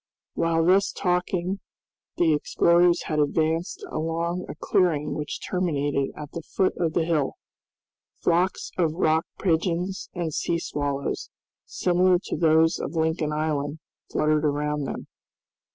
While thus talking the explorers had advanced along a clearing which terminated at the foot of the hill. Flocks of rock pigeons and sea swallows, similar to those of Lincoln Island, fluttered around them.